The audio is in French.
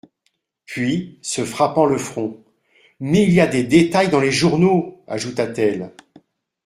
Puis, se frappant le front : Mais il y a des détails dans les journaux, ajouta-t-elle.